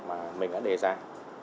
mà mình đã đề cập cho các quốc gia